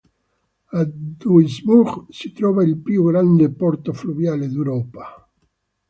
A Duisburg si trova il più grande porto fluviale d'Europa.